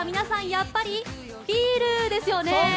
やっぱりビールですよね？